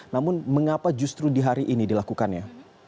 namun mengapa justru di hari ini dilakukannya